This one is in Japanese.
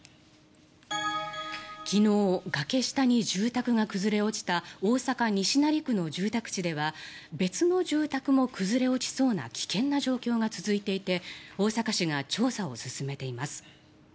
昨日崖下に住宅が崩れ落ちた大阪・西成区の住宅地では別の住宅も崩れ落ちそうな危険な状況が続いていて大阪市が調査を進めています。